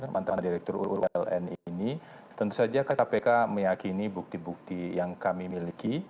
mantan direktur uu plni ini tentu saja kpk meyakini bukti bukti yang kami miliki